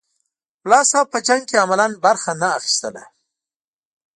ملا صاحب په جنګ کې عملاً برخه نه اخیستله.